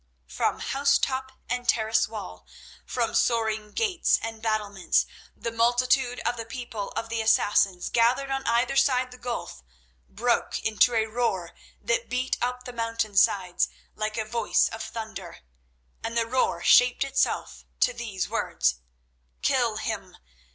From house top and terrace wall, from soaring gates and battlements, the multitude of the people of the Assassins gathered on either side the gulf broke into a roar that beat up the mountain sides like a voice of thunder. And the roar shaped itself to these words: "Kill him!